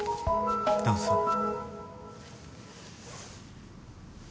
どうぞ。